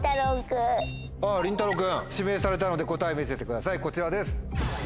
りんたろう君指名されたので答え見せてくださいこちらです。